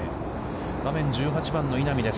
画面１８番の稲見です。